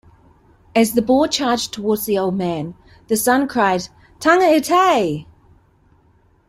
As the boar charged towards the old man, the son cried "taga itay!".